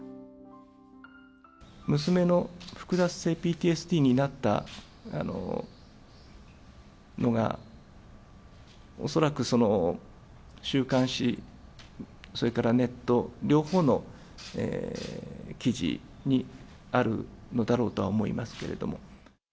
娘の複雑性ＰＴＳＤになったのが、恐らくその週刊誌、それからネット、両方の記事にあるのだろうとは思いますけれども。